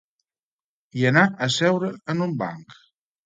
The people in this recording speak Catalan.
I anà a seure en un banc.